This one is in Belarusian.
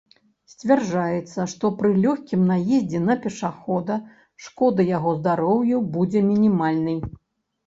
Сцвярджаецца, што пры лёгкім наездзе на пешахода шкода яго здароўю будзе мінімальнай.